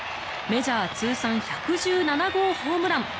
メジャー通算１１７号ホームラン。